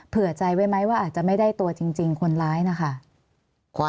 เผื่อใจไว้ไหมว่าอาจจะไม่ได้ตัวจริงคนร้ายนะคะ